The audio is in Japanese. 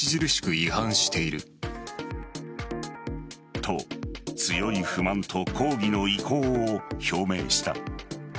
と、強い不満と抗議の意向を表明した。